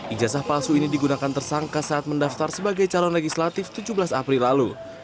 ijazah palsu ini digunakan tersangka saat mendaftar sebagai calon legislatif tujuh belas april lalu